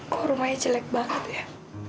oh rumahnya jelek banget ya